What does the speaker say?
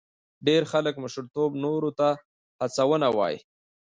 ډېر خلک مشرتوب نورو ته هڅونه وایي.